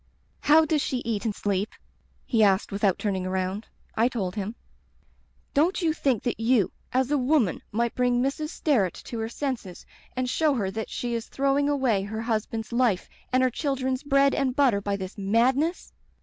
*How does she eat and sleep?' he asked, without turning around. I told him. "* Don't you think that you, as a woman, might bring Mrs. Sterret to her senses and show her that she is throwing away her hus band's life and her children's bread and butter by this madness?